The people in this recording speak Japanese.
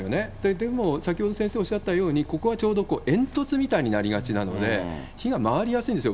でも先ほど、先生おっしゃったように、ここはちょうどこう、煙突みたいになりがちなので、火が回りやすいんですよ。